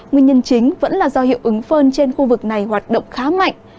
nguyên nhân chính vẫn là do hiệu ứng phơn trên khu vực này hoạt động khá mạnh